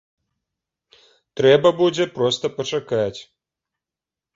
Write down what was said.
Трэба будзе проста пачакаць.